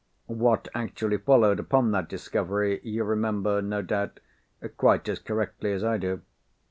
What actually followed upon that discovery, you remember, no doubt, quite as correctly as I do."